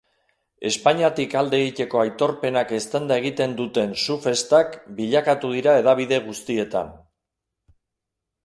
Espainiatik alde egiteko aitorpenak eztanda egiten duten su-festak bilakatu dira hedabide guztietan.